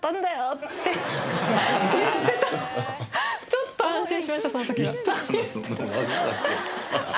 ちょっと安心しましたその時は。